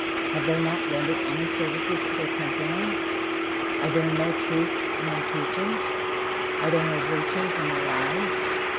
Have they not rendered any services to their countrymen? Are there no truths in their teachings? Are there no virtues in their lives?